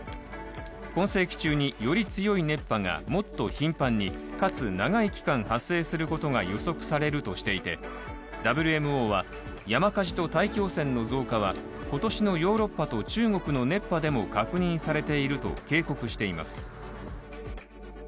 今世紀中により強い熱波がもっと頻繁にかつ長い期間発生することが予測されるとしていてＷＭＯは、山火事と大気汚染の増加は今年のヨーロッパと中国の熱波でも確認されていると警告しています。